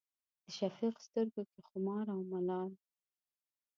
د شفق سترګو کې خمار او ملال